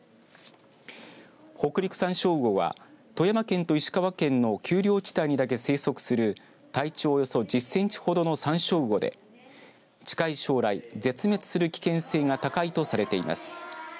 ホクリクサンショウウオは富山県と石川県の丘陵地帯だけ生息する体長およそ１０センチほどのサンショウウオで近い将来、絶滅する危険性が高いとされています。